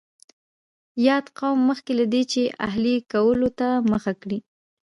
یاد قوم مخکې له دې چې اهلي کولو ته مخه کړي.